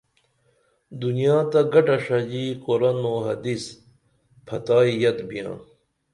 دنیا تہ گٹا ݜژی قرآن او حدیث پھتائی یت بیاں